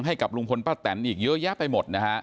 ให้กับลุงพลป้าแตนอีกเยอะแยะไปหมดนะฮะ